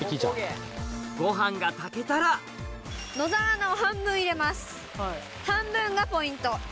ご飯が炊けたら野沢菜を半分入れます半分がポイント。